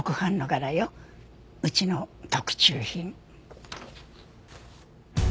うちの特注品。